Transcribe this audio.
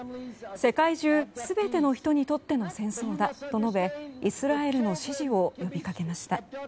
世界中全ての人にとっての戦争だと述べイスラエルの支持を呼びかけました。